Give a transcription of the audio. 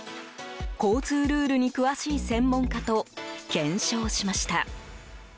交通ルールに詳しい専門家と検証しました。